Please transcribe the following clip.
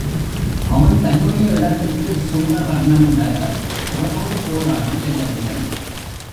அவன் தன்னுடைய இடத்திற்குச் சூரபன்மன் வர அவனோடு போராடி வெல்லவில்லை.